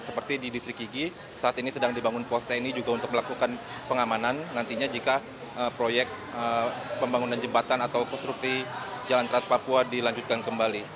seperti di distrik ygi saat ini sedang dibangun pos tni juga untuk melakukan pengamanan nantinya jika proyek pembangunan jembatan atau konstruksi jalan trans papua dilanjutkan kembali